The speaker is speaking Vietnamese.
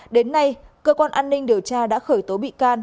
đến nay cơ quan an ninh điều tra đã khởi tố bị can